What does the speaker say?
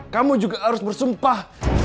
kamu juga harus bersumpah